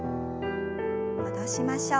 戻しましょう。